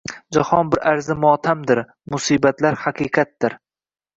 Jahon bir arzi motamdir, musibatlar haqiqatdir